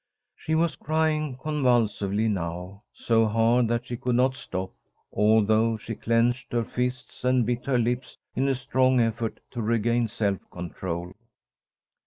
She was crying convulsively now, so hard that she could not stop, although she clenched her fists and bit her lips in a strong effort to regain self control.